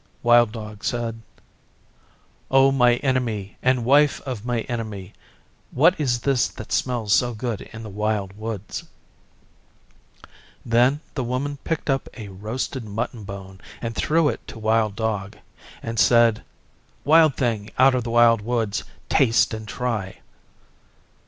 Wild Dog said, 'O my Enemy and Wife of my Enemy, what is this that smells so good in the Wild Woods?' Then the Woman picked up a roasted mutton bone and threw it to Wild Dog, and said, 'Wild Thing out of the Wild Woods, taste and try.